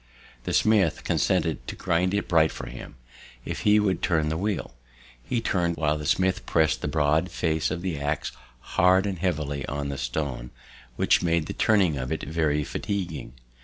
The smith consented to grind it bright for him if he would turn the wheel; he turn'd, while the smith press'd the broad face of the ax hard and heavily on the stone, which made the turning of it very fatiguing.